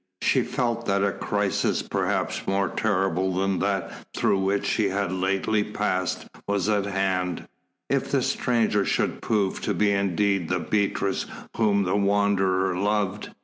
She felt that a crisis perhaps more terrible than that through which she had lately passed was at hand, if the stranger should prove to be indeed the Beatrice whom the Wanderer loved.